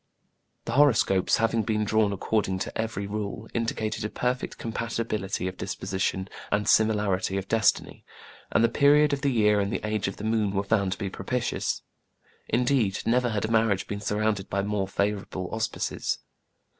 The horoscopes, having been drawn according to every rule, indicated a perfect compatibility of disposition and similarity of des tiny ; and the period of the year and the age of the moon were found to be propitious. Indeed, 170 TRIBULATIONS OF A CHINAMAN. never had a marriage been surrounded by more favorable auspices.